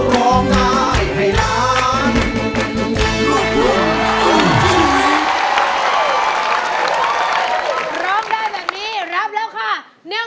ร้องได้แบบนี้รับแล้วค่ะ๑มื้อ